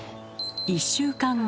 １週間後。